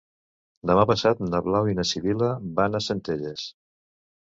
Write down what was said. Demà passat na Blau i na Sibil·la van a Centelles.